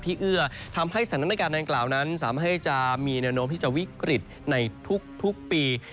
เอื้อทำให้สถานการณ์ดังกล่าวนั้นสามารถให้จะมีแนวโน้มที่จะวิกฤตในทุกปี